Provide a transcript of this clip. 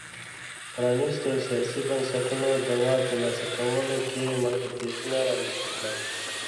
پرانیستو سیاسي بنسټونو د واک ترلاسه کولو کې محدودیتونه رامنځته کړل.